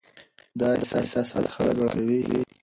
دا احساسات خلک ړانده کوي.